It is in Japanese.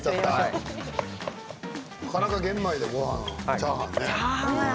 なかなか玄米でチャーハンはね。